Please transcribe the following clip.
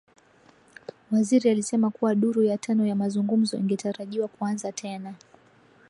Waziri alisema kuwa duru ya tano ya mazungumzo ingetarajiwa kuanza tena